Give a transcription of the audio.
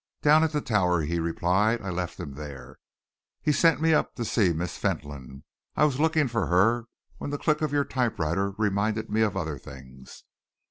"Down at the Tower," he replied. "I left him there. He sent me up to see Miss Fentolin. I was looking for her when the click of your typewriter reminded me of other things."